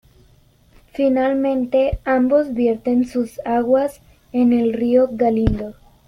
Finalmente, ambos vierten sus aguas en el río Galindo.